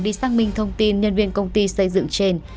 đi xác minh thông tin nhân viên công ty xây dựng trên